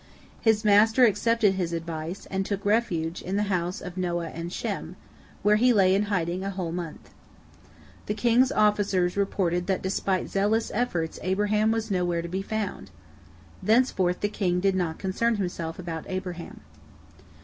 His master accepted his advice, and took refuge in the house of Noah and Shem, where he lay in hiding a whole month. The king's officers reported that despite zealous efforts Abraham was nowhere to be found. Thenceforth the king did not concern himself about Abraham.